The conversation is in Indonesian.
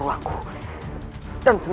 juga sedang menang